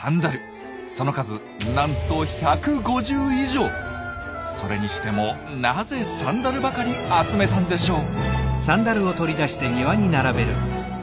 その数なんとそれにしてもなぜサンダルばかり集めたんでしょう？